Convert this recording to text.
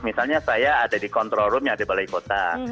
misalnya saya ada di control room yang ada di balai kota